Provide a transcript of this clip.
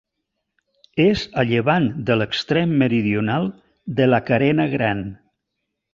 És a llevant de l'extrem meridional de la Carena Gran.